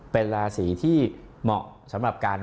เป็นราศีที่เหมาะสำหรับการ